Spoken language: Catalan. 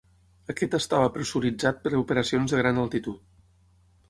Aquest estava pressuritzat per operacions de gran altitud.